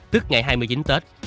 tức ngày hai mươi chín tết